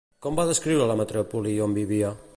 Com va descriure la metròpoli on vivia?